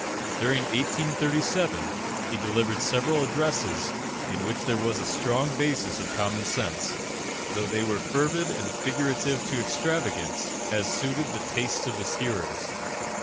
During 1837, he delivered several addresses in which there was a strong basis of common sense, though they were fervid and figurative to extravagance, as suited the tastes of his hearers.